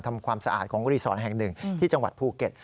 ทำความสะอาดของรีสอร์ทแห่งหนึ่งที่จังหวัดภูเก็ต